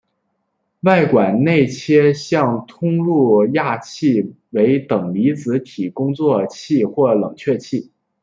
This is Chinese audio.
外管内切向通入的氩气为等离子体工作气或冷却气。